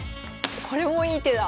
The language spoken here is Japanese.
これもいい手だ。